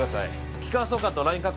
気管挿管とライン確保